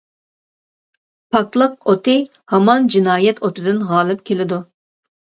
پاكلىق ئوتى ھامان جىنايەت ئوتىدىن غالىب كېلىدۇ.